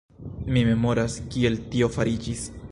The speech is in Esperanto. Mi memoras, kiel tio fariĝis.